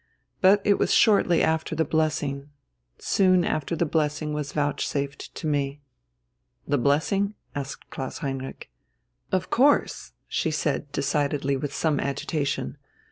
But it was shortly after the blessing soon after the blessing was vouchsafed to me." "The blessing?" asked Klaus Heinrich. "Of course," she said decidedly with some agitation.